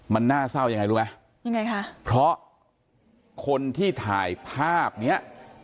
มันน่าเศร้ายังไงรู้ไหมยังไงคะเพราะคนที่ถ่ายภาพเนี้ย